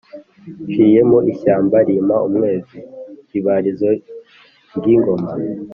Nshiye mu ishyamba rimpa umwezi-Ibarizo ry'ingoma